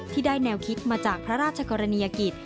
ที่ได้แนวคิดมาจากพระราชกรณียกิจ